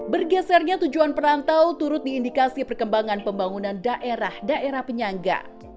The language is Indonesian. bergesernya tujuan perantau turut diindikasi perkembangan pembangunan daerah daerah penyangga